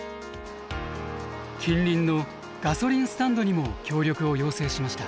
近隣のガソリンスタンドにも協力を要請しました。